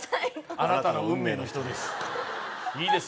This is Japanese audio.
「あなたの運命の人です」